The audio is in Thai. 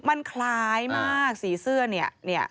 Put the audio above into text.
มันคล้ายมากสีเสื้อเนี่ย